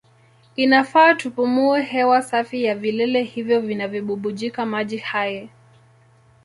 Inafaa tupumue hewa safi ya vilele hivyo vinavyobubujika maji hai.